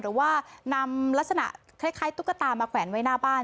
หรือว่านำลักษณะคล้ายตุ๊กตามาแขวนไว้หน้าบ้าน